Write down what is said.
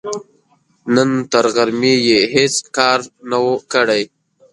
نن تر غرمې يې هيڅ کار نه و، کړی.